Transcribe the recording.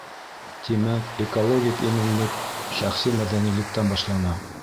Тимәк, экологик именлек шәхси мәҙәнилектән башлана.